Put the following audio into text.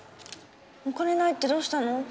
お金ないってどうしたの？